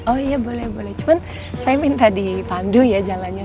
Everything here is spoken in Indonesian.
oh iya boleh cuman saya minta di pandu ya jalannya